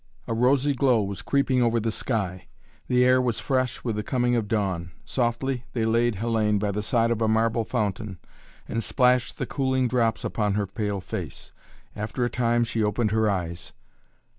A rosy glow was creeping over the sky. The air was fresh with the coming of dawn. Softly they laid Hellayne by the side of a marble fountain and splashed the cooling drops upon her pale face. After a time she opened her eyes.